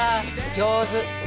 上手。